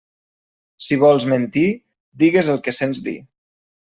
Si vols mentir, digues el que sents dir.